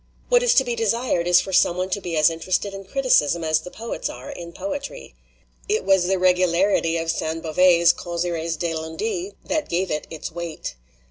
"What is to be desired is for some one to be as interested in criticism as the poets are in poetry. It was the regularity of Sainte Beuve's 'Causeries du Lundi ' that gave it its weight.